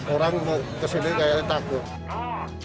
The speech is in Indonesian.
orang mau kesini kayaknya takut